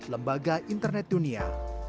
lembaga internet dunia